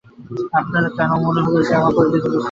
আপনার কেন মনে হলো যে আমার পরিধির বিস্তৃতি প্রয়োজন?